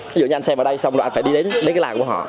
ví dụ như anh xem ở đây xong rồi anh phải đi đến cái làng của họ